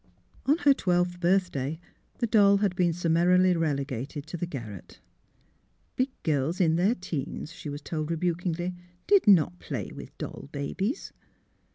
On her twelfth birthday the doll had been summarily relegated to the garret. '' Big girls in their teens," she was told rebukingly, " did not play with doll babies."